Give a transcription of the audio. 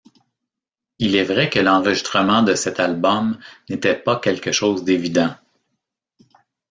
Il est vrai que l'enregistrement de cet album n'était pas quelque chose d'évident.